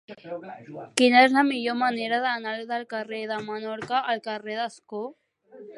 Quina és la millor manera d'anar del carrer de Menorca al carrer d'Ascó?